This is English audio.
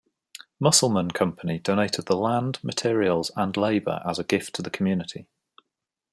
Musselman Company donated the land, materials and labor as a gift to the community.